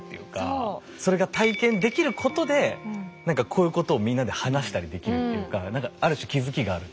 それが体験できることで何かこういうことをみんなで話したりできるっていうか何かある種気付きがある。